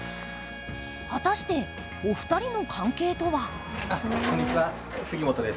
果たして、お二人の関係とは？